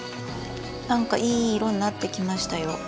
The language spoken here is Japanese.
何かいい色になってきましたよ。